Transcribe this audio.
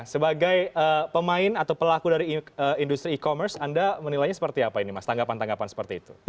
sebagai pemain atau pelaku dari industri e commerce anda menilainya seperti apa ini mas tanggapan tanggapan seperti itu